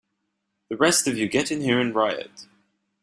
The rest of you get in here and riot!